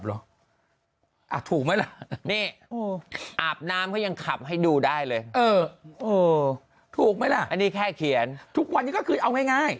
เออถูกไหมล่ะอันนี้แค่เขียนทุกวันนี้ก็คือเอาง่าย